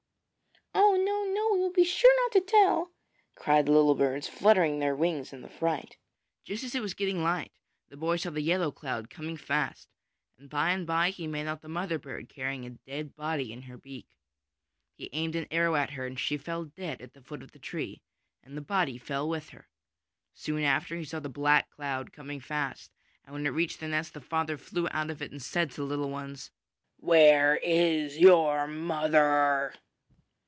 'Oh, no, no! We will be sure not to tell,' cried the little birds, fluttering their wings in a fright. Just as it was getting light the boy saw the yellow cloud coming, and by and bye he made out the mother bird carrying a dead body in her beak. He aimed an arrow at her and she fell dead at the foot of the tree, and the body fell with her. Soon after, he saw the black cloud coming fast, and when it reached the nest the father flew out of it and said to the little ones: 'Where is your mother?'